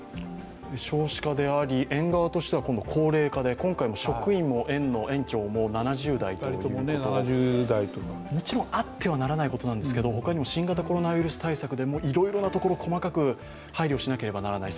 少子化であり、園側としては高齢化で今回も職員も園の園長も７０代ということ、もちろんあってはならないことなんですが他にも新型コロナウイルス対策でいろいろなところ、細かく配慮しなければならない。